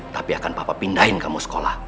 tapi akan papa pindahin kamu sekolah